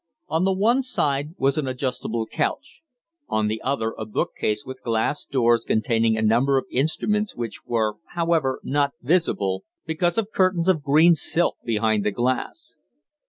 On the one side was an adjustable couch; on the other a bookcase with glass doors containing a number of instruments which were, however, not visible because of curtains of green silk behind the glass.